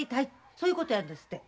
そういうことなんですって。